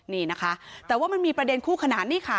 นี่นะคะแต่ว่ามันมีประเด็นคู่ขนานนี่ค่ะ